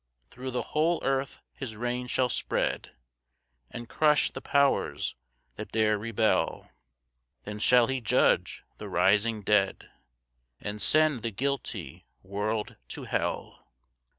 5 Thro' the whole earth his reign shall spread, And crush the powers that dare rebel; Then shall he judge the rising dead, And send the guilty world to hell.